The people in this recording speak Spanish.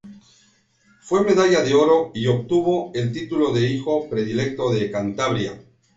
Fue Medalla de Oro y obtuvo el Título de Hijo Predilecto de Cantabria.